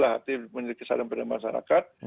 hati penyelidik kesadaran masyarakat